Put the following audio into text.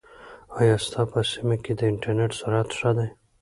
ایا ستا په سیمه کې د انټرنیټ سرعت ښه دی؟